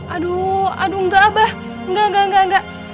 aduh aduh enggak abah enggak enggak enggak